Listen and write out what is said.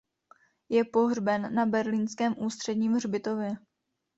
Je pohřben na berlínském ústředním hřbitově.